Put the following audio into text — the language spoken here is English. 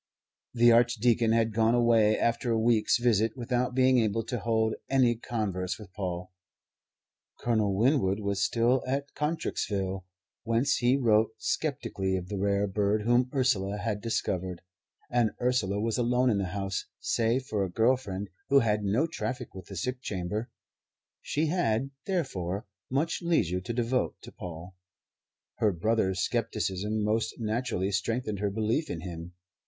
The Archdeacon had gone away after a week's visit without being able to hold any converse with Paul; Colonel Winwood was still at Contrexeville, whence he wrote sceptically of the rare bird whom Ursula had discovered; and Ursula was alone in the house, save for a girl friend who had no traffic with the sick chamber. She had, therefore, much leisure to devote to Paul. Her brother's scepticism most naturally strengthened her belief in him.